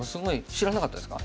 知らなかったですか？